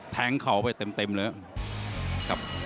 แทงเขาไปเต็มเลยครับ